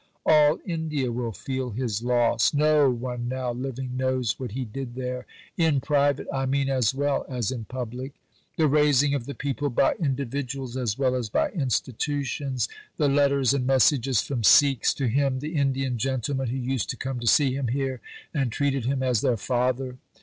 All India will feel his loss. No one now living knows what he did there in private, I mean, as well as in public the raising of the people by individuals as well as by Institutions the letters and messages from Sikhs to him, the Indian gentlemen who used to come to see him here and treated him as their father.